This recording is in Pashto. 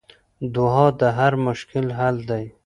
دعا د هر مشکل حل دی.